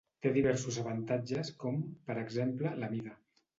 Té diversos avantatges com, per exemple, la mida.